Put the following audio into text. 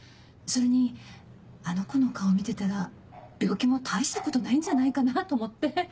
それにあの子の顔見てたら病気も大したことないんじゃないかなと思って。